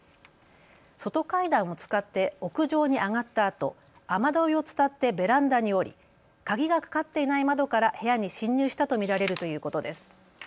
外階段を使って屋上に上がったあと、雨どいを伝ってベランダに降り鍵がかかっていない窓から部屋に侵入したと見られるということです。